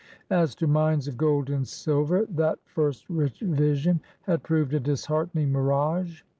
As to mines of gold and silver, that first rich vision had proved a disheartening mirage.